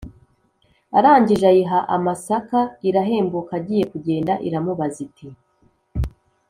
arangije ayiha amasaka irahembuka. igiye kugenda iramubaza, iti: